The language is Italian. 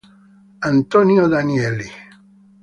Antonio Danieli